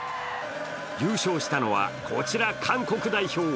優勝したのは、こちら韓国代表。